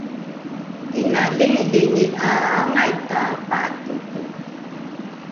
’ina lingilingi ’a aangai tapa’atedhe?